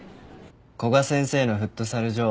古賀先生のフットサル場